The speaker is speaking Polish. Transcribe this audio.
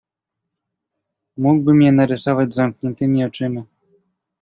"Mógłbym je narysować z zamkniętymi oczyma."